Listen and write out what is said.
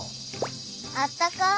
あったかい。